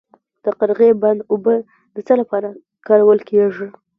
د قرغې بند اوبه د څه لپاره کارول کیږي؟